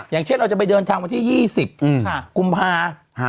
อย่างเช่นเราจะไปเดินทางวันที่๒๐กุมภา